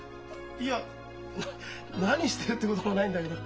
いや何してるってこともないんだけど。